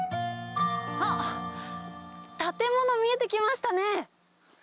あっ、建物、見えてきまし